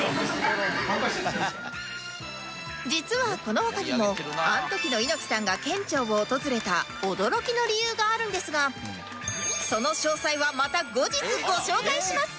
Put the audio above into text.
実はこの他にもアントキの猪木さんが県庁を訪れた驚きの理由があるんですがその詳細はまた後日ご紹介します